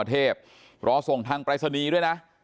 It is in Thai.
เพราะทรงทางไฟสนีด้วยนะ